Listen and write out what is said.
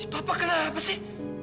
papa kenapa sih